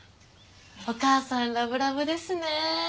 お母さんラブラブですね。